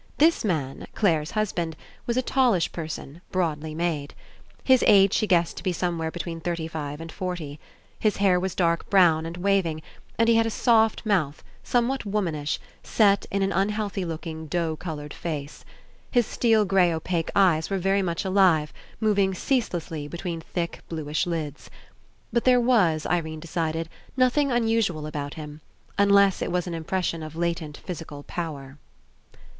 This man, Clare's husband, was a talllsh person, broadly made. His age she guessed to be some where between thirty five and forty. His hair was dark brown and waving, and he had a soft mouth, somewhat womanish, set In an un 6s PASSING healthy looking dough coloured face. His steel grey opaque eyes were very much alive, moving ceaselessly between thick bluish lids. But there was, Irene decided, nothing unusual about him, unless it was an Impression of latent physical power.